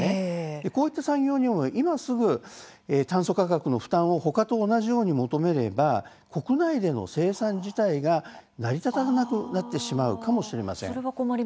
こういった産業にも今すぐ炭素価格の負担をほかと同じように求めれば国内での生産自体が成り立たなくなってしまうかもしれません。